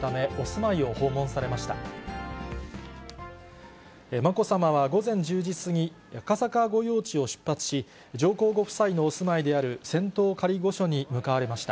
まこさまは午前１０時過ぎ、赤坂御用地を出発し、上皇ご夫妻のお住まいである仙洞仮御所に向かわれました。